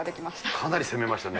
かなり攻めましたね。